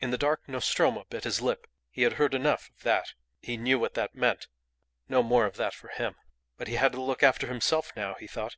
In the dark Nostromo bit his lip. He had heard enough of that. He knew what that meant. No more of that for him. But he had to look after himself now, he thought.